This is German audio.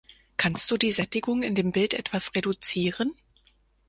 Kannst du die Sättigung in dem Bild etwas reduzieren?